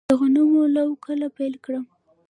د غنمو لو کله پیل کړم؟